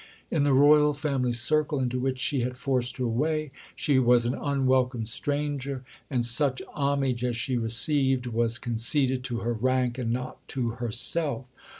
In the royal family circle, into which she had forced her way, she was an unwelcome stranger; and such homage as she received was conceded to her rank and not to herself.